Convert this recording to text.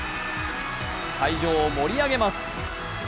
会場を盛り上げます。